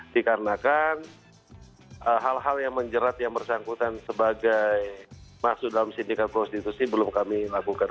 dikarenakan hal hal yang menjerat yang bersangkutan sebagai masuk dalam sindikat prostitusi belum kami lakukan